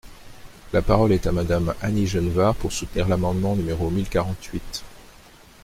La parole est à Madame Annie Genevard, pour soutenir l’amendement numéro mille quarante-huit.